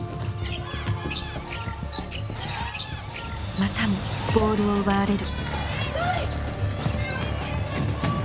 またもボールを奪われる。